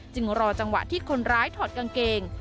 รอจังหวะที่คนร้ายถอดกางเกง